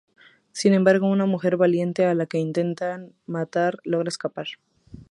Sin embargo, una mujer valiente a la que intenta matar logra escapar.